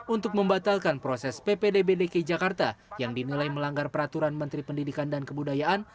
untuk membatalkan proses ppdb dki jakarta yang dinilai melanggar peraturan menteri pendidikan dan kebudayaan